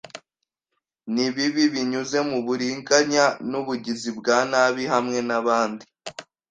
Nibibi binyuze muburiganya nubugizi bwa nabi hamwe nabandi